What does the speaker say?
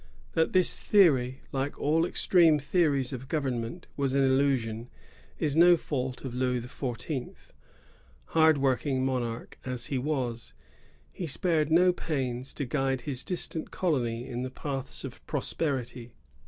That this theory, like all extreme theories of government, was an illusion, is no fault of Louis XIV. Hard working monarch as he was, he spared no pains to guide his distant colony in the paths of prosperity.